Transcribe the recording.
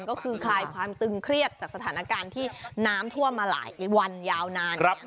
ก็คือคลายความตึงเครียดจากสถานการณ์ที่น้ำท่วมมาหลายวันยาวนาน